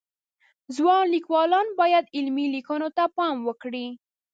ځوان لیکوالان باید علمی لیکنو ته پام وکړي